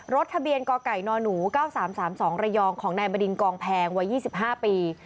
ทะเบียนกไก่นหนู๙๓๓๒ระยองของนายบดินกองแพงวัย๒๕ปี